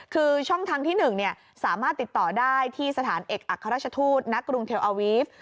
คือช่องทางที่๑สามารถติดต่อได้ที่สถานเอกอัครราชทูตณกรุงเทลอาวีฟ